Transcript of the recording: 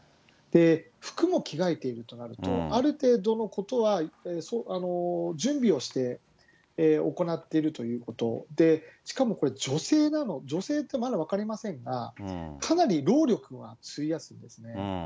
服も着替えているとなると、ある程度のことは準備をして行っているということ、しかもこれ、女性ってまだ分かりませんが、かなり労力は費やすんですね。